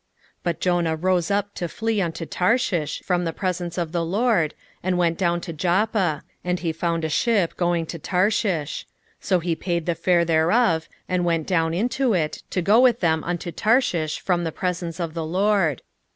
1:3 But Jonah rose up to flee unto Tarshish from the presence of the LORD, and went down to Joppa; and he found a ship going to Tarshish: so he paid the fare thereof, and went down into it, to go with them unto Tarshish from the presence of the LORD.